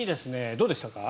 どうでしたか？